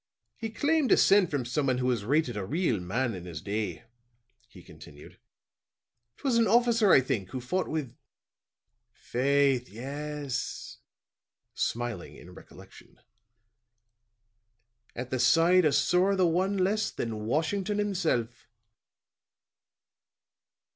"He claimed descent from someone who was rated a real man in his day," he continued. "'Twas an officer, I think, who fought with faith, yes," smiling in recollection, "at the side of sorra the one less than Washington himself."